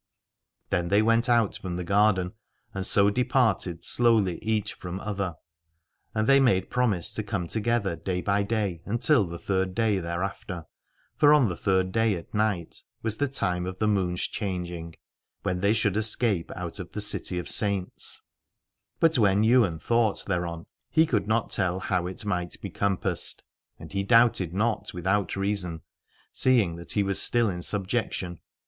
Then they went out from the garden, and so departed slowly each from other : and they made promise to come together day by day until the third day thereafter. For on the third day at night was the time of the moon's changing, when they should escape out of the City of the Saints. But when Ywain thought thereon he could not tell how it might be compassed. And he doubted not without ' reason, seeing that he was still in subjection.